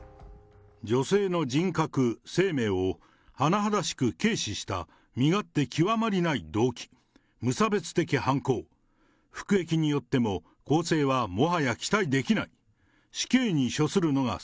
女性の人格・生命を甚だしく軽視した身勝手極まりない動機、無差別的犯行、服役によっても更生はもはや期待できない。